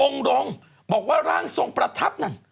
รงค์บอกว่าร่างทรงประทับนั่น